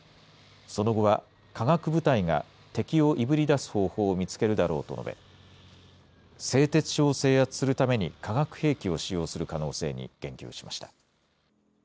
その後は化学部隊が敵をいぶり出す方法を見つけるだろうと述べ、製鉄所を制圧するために化学兵器を使用する可能性に言及しました。